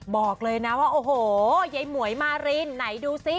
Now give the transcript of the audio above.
บอกเลยนะว่าโอ้โหยายหมวยมารินไหนดูสิ